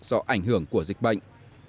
do ảnh hưởng của dịch bệnh